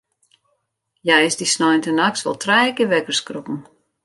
Hja is dy sneintenachts wol trije kear wekker skrokken.